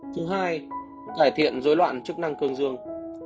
hai cải thiện dối loạn chức năng cương dương